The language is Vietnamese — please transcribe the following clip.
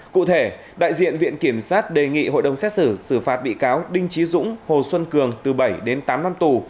cụ thể đại diện viện kiểm sát đề nghị hội đồng xét xử xử phạt bị cáo đinh trí dũng hồ xuân cường từ bảy đến tám năm tù